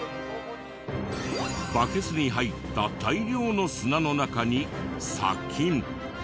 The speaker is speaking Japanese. バケツに入った大量の砂の中に砂金。